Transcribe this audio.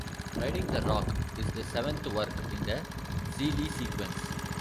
"Riding the Rock" is the seventh work in the Xeelee Sequence.